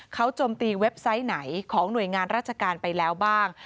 เขาโจมตีเว็บไซต์ไหนของหน่วยงานราชการไปแล้วบ้าง